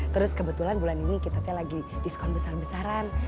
terus kebetulan bulan ini kita lagi diskon besar besaran